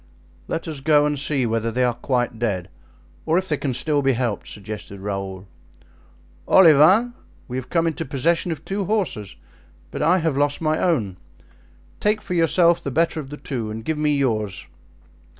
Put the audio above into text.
"Let us go and see whether they are quite dead, or if they can still be helped," suggested Raoul. "Olivain, we have come into possession of two horses, but I have lost my own. Take for yourself the better of the two and give me yours."